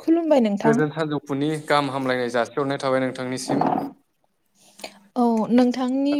खुलुमबाय नोंथां गोजोन सानजौफुनि गाहाम हामलायनाय जासिहरनाय थाबाय नोंथांनिसिम। औ नोंथांनि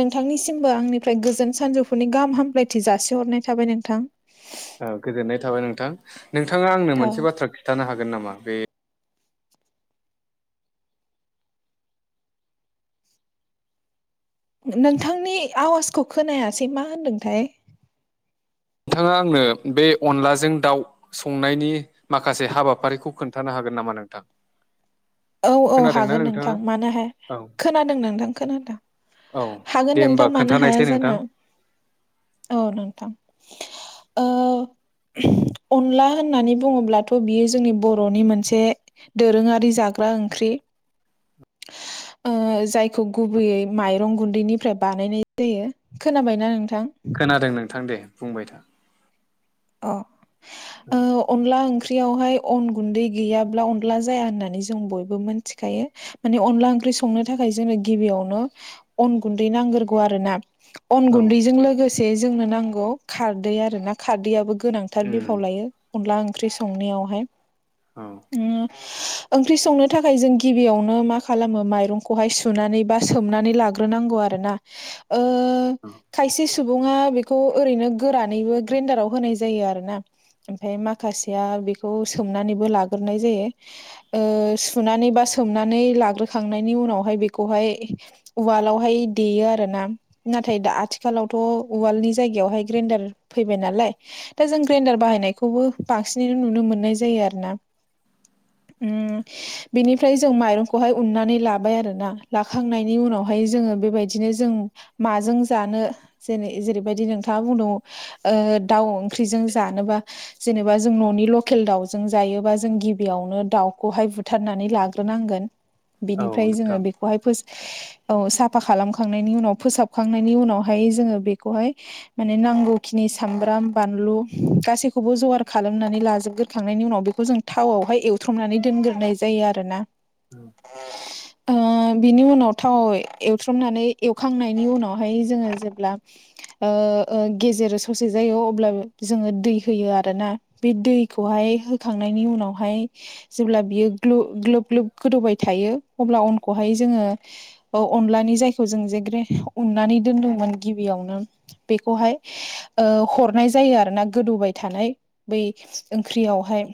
नोंथांनिसिमबो आंनिफ्राय गोजोन सानजौफुनि गाहाम हाम्लायथि जासिहरनाय थाबाय नोंथां। औ गोजोननाय थाबाय नोंथां नोंथाङा आंनो औ मोनसे बाथ्रा खिन्थानो हागोन नामा बे नोंथांनि आवाजखौ खोनायासै मा होनदोंथाय? नोंथाङा आंनो बे अनलाजों दाउ संनायनि माखासे हाबाफारिखौ खोन्थानो हागोन नामा नोंथां? औ औ खोनादोंना हागोन नोंथां नोंथाङा मानो हाय औ खोनादों नोंथां खोनादों। औ हागोन दे होमबा नोंथां मानो हाया खोन्थानायसै नोंथां जानो औ नोंथां। ओ [inaudible] अनला होननानै बुङोब्लाथ' बियो जोंनि बर'नि मोनसे दोरोङारि जाग्रा ओंख्रि। ओ जायखौ गुबैयै माइरं गुन्दैनिफ्राय बानायनाय जायो। खोनाबायना नोंथां? खोनादों नोंथां दे बुंबाय था। अ औ ओ अनला ओंख्रियावहाय अन गुन्दै गैयाब्ला अन्ला जाया होननानै जों बयबो मि मोनथिखायो। माने अनला ओंख्रि संनो थाखाय जोङो गिबियावनो अन गुन्दै नांग्रोगौ आरो ना। अन औ गुन्दैजों लोगोसे जोंनो नांगौ खारदै आरो ना खारदैआबो गोनांथार उम बिफाव लायो अनला ओंख्रि संनायावहाय। औ [unintelligible] ओंख्रि संनो थाखाय जों गिबियावनो मा खालामो माइरंखौहाय सुनानै बा सोमनानै लाग्रोनांगौ आरो ना। [inaudible] ओ खायसे सुबुङा बेखौ ओरैनो गोरानैबो ग्रेन्डाराव होनाय जायो आरो ना। ओमफाय माखासेया बेखौ सोमनानैबो लाग्रोनाय जायो। ओ सुनानै बा सोमनानै लाग्रोखांनायनि उनावहाय बेखौहाय उवालावहाय देयो आरो ना। नाथाय दा आथिखालावथ' उवालनि जायगायावहाय ग्रेन्डार फैबाय नालाय दा जों ग्राइन्डार बाहायनायखौबो बांसिनैनो नुनो मोननाय जायो आरो ना। [inaudible] बिनिफ्राय जों माइरंखौहाय उन्नानै लाबाय आरो ना लाखांनायनि उनावहाय जोङो बेबाय दिनो जों माजों जानो जेनै जेरैबायदि नोंथाङा बुंदोंऔ दाउ ओंख्रिजों जानोबा जेनेबा जों न'नि लकेल दाउजों जायोबा जों गिबियावनो दाउखौहाय बुथारनानै लाग्रोनांगोन। औ बेनिफ्राय नोंथां जोङो बेखौहाय फो औ साफा खालामखांनायनि उनाव फोसाबखांनायनि उनावहाय जोङो बेखौहाय माने नांगौ खिनि सामब्राम बानलु गासैखौबो जगार खालामनानै लाजोबगोरखांनायनि उनाव बेखौ जों थावआवहाय एवथ्रमनानै दोनग्रोनाय जायो आरोना‌। औ ओ बिनि उनाव थाव एवथ्रमनानै एवखांनायनि उनावहाय जोङो जेब्ला गेजेर ससे जायो अब्ला जोङो दै होयो आरोना बे दैखौहाय होखांनायनि उनावहाय जेब्ला बियो ग्लोब ग्लोब गोदौबाय थायो अब्ला उनखौहाय जोङो अनलानि जायखौ जों जेग्रे उननानै दोनदोंमोन गिबियावनो बेखौहाय हरनाय जायो आरो ना गोदौबाय थानाय बै ओंख्रियावहाय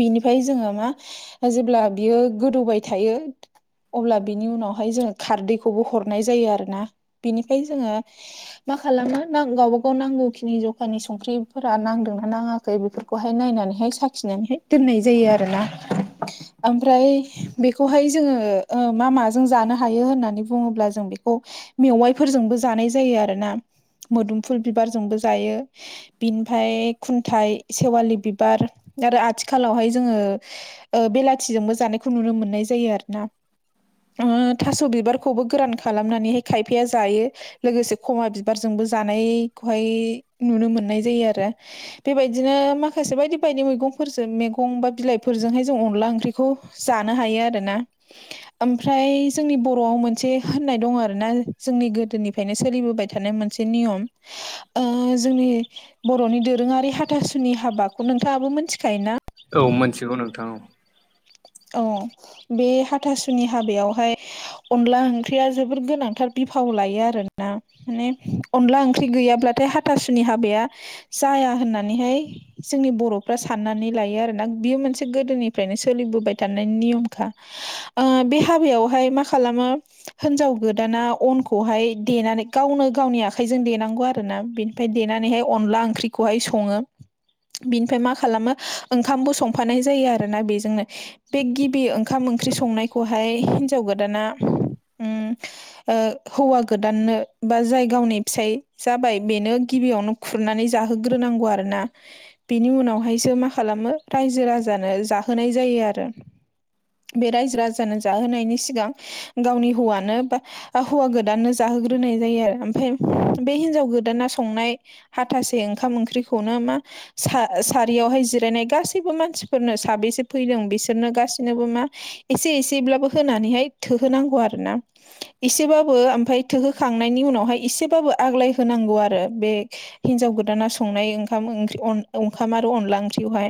बिनिफ्राय जोङो मा जेब्ला बियो गोदौबाय थायो अब्ला बिनि उनावहाय जोङो खारदैखौबो हरनाय जायो आरोना बिनिफ्राय जोङो मा खालामो न गावबा गाव नांगौखिनि जखानि संख्रिफोरा नांदोंना नाङाखै बेफोरखौहाय नायनानैहाय साखिनानैहाय दोननाय जायो आरोना ओमफ्राय बेखौहाय जोङो मा माजों जानो हायो होननानै बुङोब्ला जों बेखौ मेवाइफोरजोंबो जानाय जायो आरो ना मोदोमफुल बिबारजोंबो जायो बिनिफ्राय खुन्थाइ सेवालि बिबार आरो आथिखालावहाय जोङो बेलाथिजोंबो जानायखौ नुनो मोननाय जायो आरो ना थास' बिबारखौबो गोरान खालामनानैहाय खायफाया जायो लोगोसे खमा बिबार जोंबो जानायखौहाय नुनो मोननाय जायो आरो बेबायदिनो माखासे बायदि बायदि मैगंफोरजों मैगं बा बिलाइफोरजोंहाय जों अनला ओंख्रि बेखौ जानो हायो आरोना [unintelligible] ओमफ्राय जोंनि बर'आव मोनसे होननाय दं आर ना जोंनि गोदोनिफ्रायनो सोलिबोबाय थानाय मोनसे ओ नियम जोंनि बर'नि दोरोङारि हाथासुनि हाबाखौ नोंथाङाबो मोनथिखायोना औ मोनथिगौ नोंथां औ औ बे हाथासुनि हाबायावहाय अनला ओंख्रिया जोबोद गोनांथार बिफाव लायो आरोना माने अनला ओंख्रि गैयाब्लाथाय हाथासुनि हाबाया जाया होननानैहाय जोंनि बर'फ्रा साननानै लायो आरोोना बियो मोनसे गोदोनिफ्रायनो सोलिबोबाय थ दनायनि नियमखा बे हाबायावहाय मा खालामो हिनजाव गोदाना अनखौहाय देनानै गावनो गावनि आखाइजों देनांगौ आरो ना बे ओमफ्राय देनानैहाय अनला ओंख्रिखौहाय सङो बिनिफ्राय मा खालामो ओंखामबो संफानाय जायो आरोना बेजोंनो उम बे गिबि ओंखाम ओंख्रि औ संनायखौहाय हिन्जाव गोदाना ओ हौवा गोदाननो बा जाय गावनि फिसाय जाबाय बेनो गिबियावनो खुरनानै जाहोग्रोनांगौ आरो ना बिनि उनावहायसो मा खालामो रायजो राजानो जाहोनाय जायो आरो बे रायजो राजानो जाहोनायनि सिगां गावनि हौवानो बा हौवा गोदाननो जाहोग्रोनाय जायो आरो ओमफ्राय बे हिनजाव गोदाना संनाय हाथासे ओंखाम ओंख्रिखौनो मा सारियावहाय जिरायनाय गासैबो मानसिफोरनो साबेसे फैदों बिसोर नो गासिनोबो मा एसे एसेब्लाबो होनानैहाय थोहोनांगौ आरो ना एसेबाबो ओमफफ्राय थोहोखांनायनि उनावहाय इसेबाबो आग्लाय होनांगौ आरो बे हिनजाव गोदाना संनाय ओंखाम-ओंख्रि ओंखाम आरो अनला ओंख्रियावहाय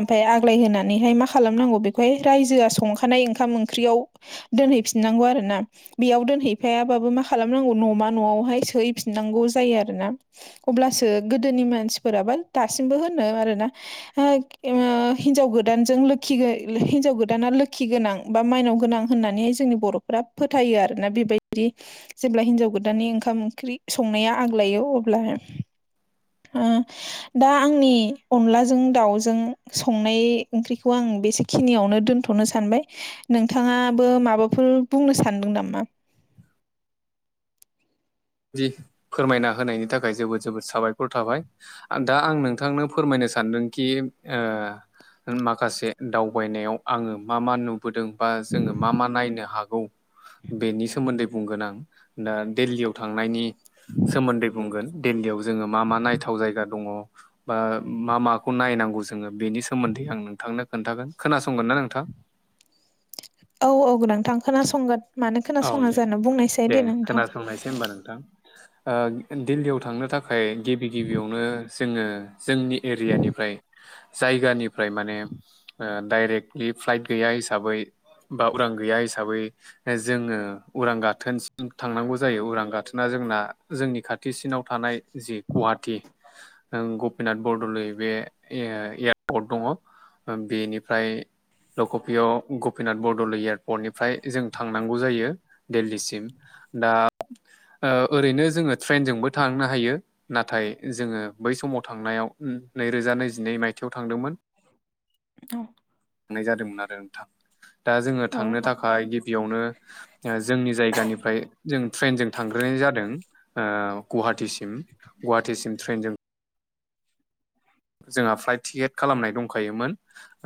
ओमफ्राय आग्लाय होनानैहाय मा खालामनांगौ बेखौहाय रायजोआ संखानाय ओंखाम ओंख्रियाव दोनहैफिननांगौ आरो ना बेयाव दोनहैफायाबाबो मा खालामनांगौ न'मा न'आवहाय सोहैफिननांगौ जायो आरो ना अब्लासो गोदोनि मानसिफोराबा दासिमबो होनो आरोना ओ हिनजाव गोदानजों लोखि हिनजाव गोदाना लोखि गोनां बा माइनाव गोनां होननानैहाय जोंनि बर'फोरा फोथायो आरोना बेबायदि जेब्ला हिन्जाव गोदाननि ओंखाम ओंख्रि संनाया आग्लायो अब्ला अ दा आंनि अनलाजों दाउजों संनाय ओंख्रिखौ आं बेसे खिनियावनो दोनथ'नो सानबाय नोंथाङाबो माबाफोर बुंनो सानदों नामा जि फोरमायना होनायनि थाखाय जोबोद जोबोद साबायखर थाबाय दा आं नोंथांनो फोरमायनो सानदोंखि माखासे दावबायनायाव आङो मा मा नुबोदों बा जोङो मा मा नायनो हागौ बेनि सोमोन्दै बुंगोन आं दा दिल्लीयाव थांनायनि सोमोन्दै बुंगोन दिल्लीयाव जोङो मा मा नायथाव जायगा दङ बा मा माखौ नायनांगौ जोङो बेनि सोमोन्दै आं नोंथांनो खोन्थागोन खोनासंगोन ना नोंथां औ औ नोंथां खोनासंगोन मानो औ खोनासङा दे जा बुंनायसै दे नोंथां खोनासंनायसै होमबा नोंथां दिल्लीयाव थांनो थाखाय गिबि गिबियावनो जोङो जोंनि एरियानिफ्राय जायगानिफ्राय माने डाइरेक्टलि फ्लाइट गैया हिसाबै बा उरां गैया हिसाबै जोङो उरां गाथोन थांनांगौ जायो उरां गाथोना जोंना जोंनि खाथिसिनाव थानाय जि गुवाहाटी गपिनाथ बरद'लै बे एयारपर्ट दङ बेनिफ्राय लकपिय गपिनाथ बरदलै एयारपर्टनिफ्राय जों थां थांनांगौ जायो दिल्लीसिम दा ओरैनो जोङो ट्रेनजोंबो थांनो हायो नाथाय जोङो बै समाव थांनायाव नैरोजा नैजिनै मायथाइयाव थांदोंमोन औ थांनाय जादोंमोन आरो नोंथां दा जोङो औ थांनो थाखाय बेयावनो ओ जोंनि जायगानिफ्राय जों ट्रेनजों थांग्रोनाय जादों ओ गुवाहाटिसिम गुवाहाटिसिम ट्रेनजों जोंहा फ्लाइट टिकेट खालामनाय दंखायोमोन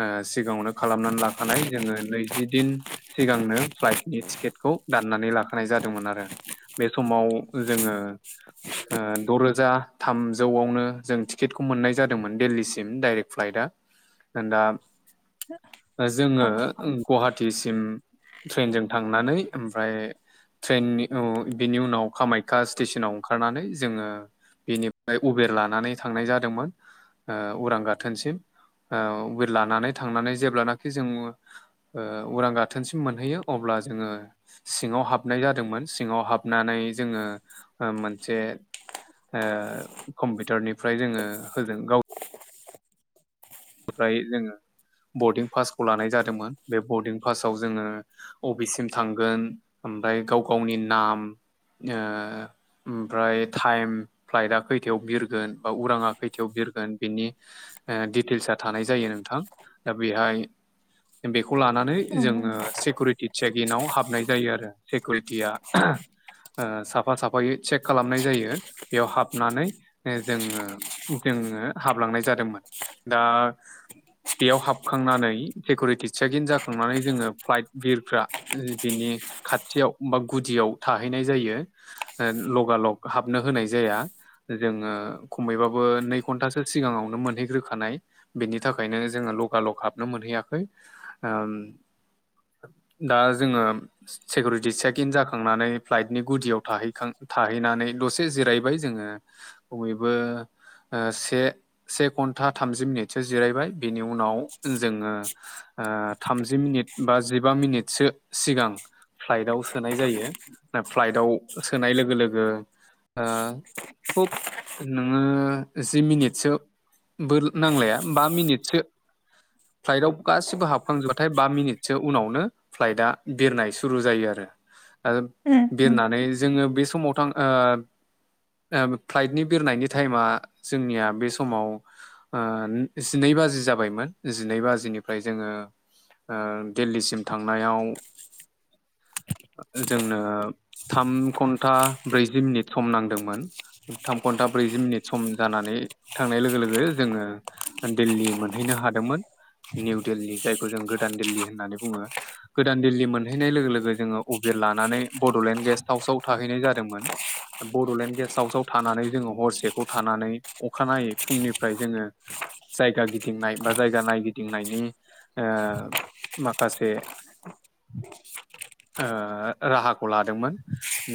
ओ सिगाङावनो खालामनानै लाखानाय जोङो नैजिदिन सिगांनो फ्लाइटनि टिकेटखौ दाननानै लाखानाय जादोंमोन आरो बे समाव जोङो ओ द' रोजा थामजौआवनो जों टिकेटखौ मोननाय जादोंमोन दिल्लीसिम डाइरेक्ट फ्लाइट आ दा जोङो गुवाहाटिसिम ट्रेनजों थांनानै ओमफ्राय ट्रेननि उम बिनि उनाव कामाख्या स्टेसनाव ओंखारनानै जोङो बेनिफ्राय उबेर लानानै थांनाय जादोंमोन ओ उरां गाथोनसिम ओ उबेर लानानै थांनानै जेब्लानाखि जोङो ओ उरां गाथोनसिम मोनहैयो अब्ला जोङो सिङाव हाबनाय जादोंमोन सिङाव हाबनानै जोङो ओ मोनसे ओ कम्पिउटारनिफ्राय जोङो हो गाव निफ्राय जोङो बरदिं पासखौ लानाय जादोंमोन बे बरदिं पासाव जोङो अबेसिम थांगोन ओमफ्राय गाव गावनि नाम ओमफ्राय टाइम फ्लाइटआ खैथायाव बिरगोन ओ उराङा खैथायाव बिरगोन बेनि ए दितेलसा थानाय जायो नोंथां दा बेहाय बेखौ लानानै जोङो सिकिउरिटि इदसा गिनाव हाबनाय जायो आरो सिकिउरिटिया ओ साफा साफायै चेक खालामनाय ओ जायो बेयाव हाबनानै जोङो जोङो हाबलांनाय जादोंमोन दा बेयाव हाबखांनानै सिकिउरिटि चेकिन जाखांनानै जोङो फ्लाइट बिरफ्रा ‌ बिनि खाथियाव बा गुदियाव थाहैनाय जायो ओ लगालग हाबनो होनाय जाया जोङो खमैबाबो नै घन्टासो सिगाङावनो मोनहैग्रोखानाय बिनि थाखायनो जोङो लगालग हाबनो मोनहैयाखै ओ दा जोङो सिकिउरिटि चेक इन जाखांनानै फ्लाइटनि गुदियाव थहैखां थाहैनानै दसे जिरायबाय जोङो खमैबोबो से से घन्टा थामजि मिनिट थि जिरायबाय बिनि उनाव जोङो ओ थामजि मिनिट बा जिबा मिनिटसो सिगां फ्लाइटआव सोनाय जायो ना फ्लाइटआव सोनाय लोगो लोगो ओ खुब नोङो जि मिनिटसो बो नांलाया बा मिनिटसो फ्लाइटआव गासिबो हाबखांजोबाथाय बा मिनिटसो उनावनो फ्लाइटआ बिरनाय सुरु जायो आरो ओब बेरनानै जोङो बे समाव थां आं ओ ओ फ्लाइटनि बिरनायनि टाइमा जोंनिया बे समाव ओ जिनै बाजि जाबायमोन जिनै बाजिनिफ्राय जोङो ओ दिल्लीसिम थांनायाव जोंनो थाम घन्टा ब्रैजि मिनिट सम नांदोंमोन थाम घन्टा ब्रैजि मिनिट सम जानानै थांनाय लोगो लोगो जोङो दिल्ली मोनहैनो हादोंमोन निउ दिल्ली जायखौ जों गोदान दिल्ली होननानै बुङो गोदान दिल्ली मोनहैनाय लोगो लोगो जोङो उबेर लानानै बड'लेण्ड गेस्ट हाउसाव थाहैनाय जादोंमोन बड'लेण्ड गेस्ट हाउसाव थानानै जोङो हरसेखौ थानानै अखानायै फुंनिफ्राय जोङो जायगा गिदिंनाय बा जायगा नायगिदिंनायनि ओ माखासे ओ राहाखौ लादोंमोन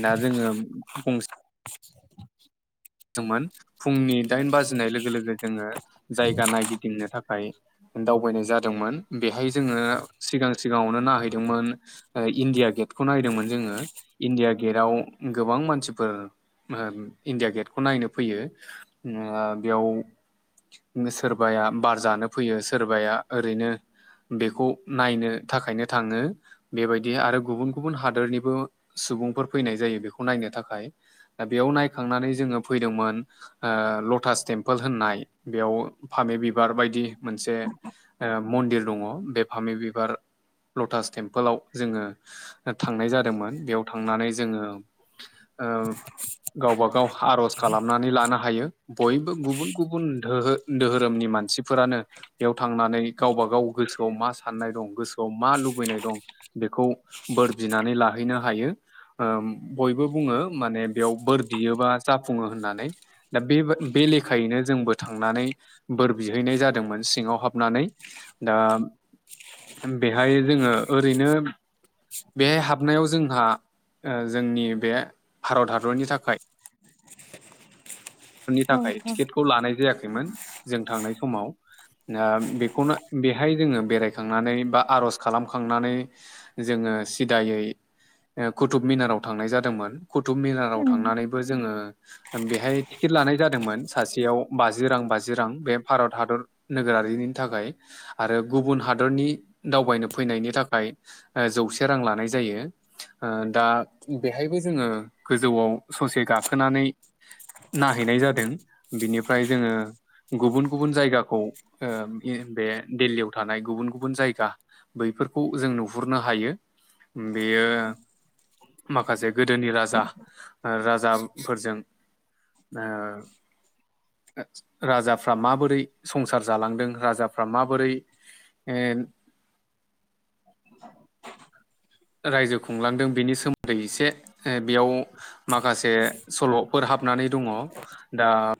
दा जोङो गंसे मोन फुंनि दाइन बाजिनाय लोगो लोगो जोङो जायगा नायगिदिंनो थाखाय दावबायनाय जादोंमोन बेहाय जोङो सिगां सिगाङावनो नायहैदोंमोन इण्डिया गेटखौ नायदोंमोन जोङो इण्डिया गेटाव गोबां मानसिफोर ओम इण्डिया गेटखौ नायनो फैयो ओ बियाव सोरबाया बार जानो फैयो सोरबाया ओरैनो बेखौ नायनो थाखायनो थाङो बेबायदि आरो गुबुन गुबुन हादरनिबो सुबुंफोर फैनाय जायो बेखौ नायनो थाखाय दा बेयाव नायखांनानै जोङो फैदोंमोन ओ लटास टेम्पोल होननाय बेयाव फामे बिबार बायदि मोनसे ओ मन्दिर दङ बे फामि बिबार लटास टेम्पोलाव जोङो थांनाय जादोंमोन बेयाव थांनानै जोङो ओ गावबा गाव आर'ज खालामनानै लानो हायो बयबो गुबुन गुबुन दोहो दोहोरोमनि मानसिफोरानो बेयाव थांनानै गावबा गाव गोसोआव मा साननाय दं गोसोआव मा लुबैनाय दं। बेखौ बोर बिनानै लाहैनो हायो ओम बयबो बुङो माने बेयाव बोर बियोबा जाफुङो होननानै दा बे बे लेखायैनो जोंबो थांनानै बोर बिहैनाय जादोंमोन सिङाव हाबनानै दा बेहाय जोङो ओरैनो बेहाय हाबनायाव जोंहा ओ जोंनि बे भारत हादरनि थाखाय फोर नि औ थाखाय टिकेटखौ लानाय जायाखैमोन जों थांनाय समाव ओ बेखौनो बेहाय जोङो बेरायखांनानै बा आर'ज खालामखांनानै जोङो सिदायै ओ कुटुब मिनाराव थांनाय जादोंमोन कुटुब मिलाराव औ थांनानैबो जोङो बेहाय टिकेट लानाय जादोंमोन सासेयाव बाजि रां बाजि रां बे भारत हादर नोगोरारिनि थाखाय आरो गुबुन हादरनि दावबायनो फैनायनि थाखाय ओ जौसे रां लानाय जायो। ओ दा बेहायबो जोङो गोजौआव ससे गाखोनानै नायहैनाय जादों बिनिफ्राय जोङो गुबुन गुबुन जायगाखौ ओ आं बे दिल्लीयाव थानाय गुबुन गुबुन जायगा बैफोरखौ जों नुहुरनो हायो उम बेयो माखासे गोदोनि राजा राजाफोरजों औ राजाफ्रा माबोरै संसार जालांदों राजाफ्रा माबोरै एद [unintelligible] रायजो खुंलांदों बिनि सोमोन्दै एसे ओ बेयाव माखासे सल'फोर हाबनानै दङ दा